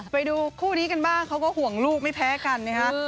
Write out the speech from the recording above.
ไปดูคู่นี้กันบ้างเขาก็ห่วงลูกไม่แพ้กันนะฮะ